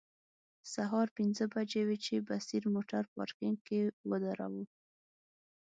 سهار پنځه بجې وې چې بصیر موټر پارکینګ کې و دراوه.